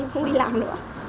không đi làm nữa